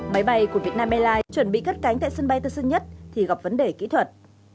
máy bay của vietnam airlines chuẩn bị cất cánh tại sân bay tân sơn nhất thì gặp vấn đề kỹ thuật